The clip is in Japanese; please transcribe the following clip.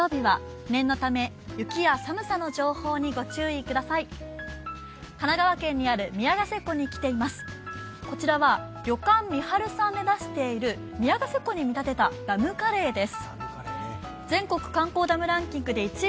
旅館みはるさんで出している宮ヶ瀬湖に見立てたダムカレーです。